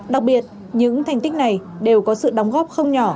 đặc biệt những thành tích này đều có sự đóng góp không nhỏ